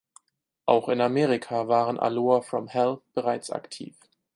Auch in Amerika waren Aloha from Hell bereits aktiv.